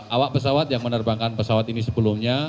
awak pesawat yang menerbangkan pesawat ini sebelumnya